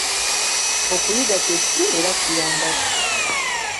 Okuyiga kye ki era kiyamba ki?